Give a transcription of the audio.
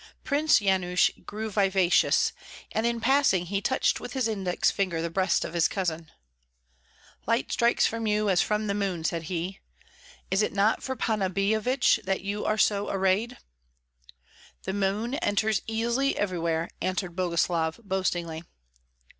Prince Yanush grew vivacious, and in passing he touched with his index finger the breast of his cousin. "Light strikes from you as from the moon," said he. "Is it not for Panna Billevich that you are so arrayed?" "The moon enters easily everywhere," answered Boguslav, boastingly.